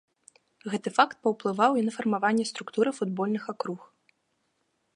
Гэты факт паўплываў і на фармаванне структуры футбольных акруг.